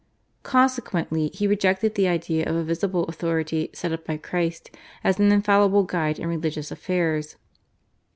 Consequently he rejected the idea of a visible authority set up by Christ as an infallible guide in religious affairs.